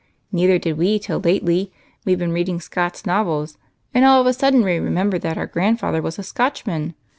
" Neither did we till lately. We Ve been reading Scott's novels, and all of a sudden we remembered that our grandfather was a Scotchman.